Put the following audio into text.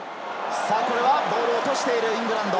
ボールを落としているイングランド。